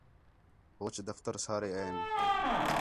ہوچ دَفتر سارے این